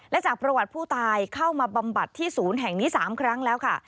และจากประวัติผู้ตายเข้ามาบำบัดที่ศูนย์แห่งนี้๓ครั้งแล้วค่ะ